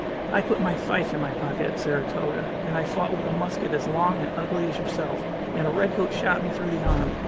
I put my fife in my pocket at Saratoga, and I fought with a musket as long and ugly as yourself. And a redcoat shot me through the arm.